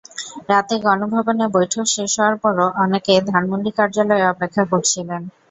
রাতে গণভবনে বৈঠক শেষ হওয়ার পরও অনেকে ধানমন্ডি কার্যালয়ে অপেক্ষা করছিলেন।